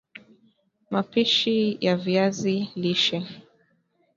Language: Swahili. Mapishi ya viazi lishe